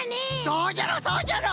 そうじゃろそうじゃろ！